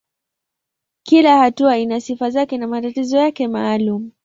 Kila hatua ina sifa zake na matatizo yake maalumu.